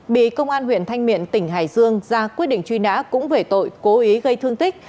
bị công an huyện thanh miện tỉnh hải dương ra quyết định truy nã cũng về tội cố ý gây thương tích